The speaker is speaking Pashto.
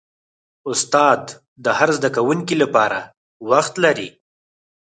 استاد د هر زده کوونکي لپاره وخت لري.